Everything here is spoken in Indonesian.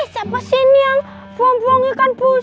siapa sih ini yang buang buang ikan buang